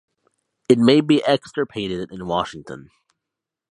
It may be extirpated in Washington.